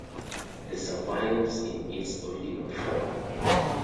The survives in its original form.